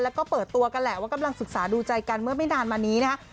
แล้วก็เปิดตัวกันแหละว่ากำลังศึกษาดูใจกันเมื่อไม่นานมานี้นะฮะ